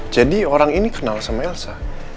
jadi orang ini kenal sama welsa